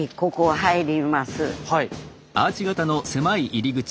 はい。